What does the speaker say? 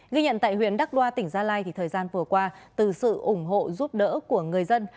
ghi nhận tại huyện đắk đoa tỉnh gia lai thì thời gian vừa qua từ sự ủng hộ giúp đỡ của người dân